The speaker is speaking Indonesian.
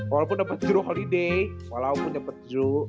walaupun dapet juro holiday walaupun dapet juro